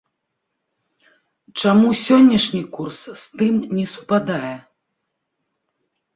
Чаму сённяшні курс з тым не супадае?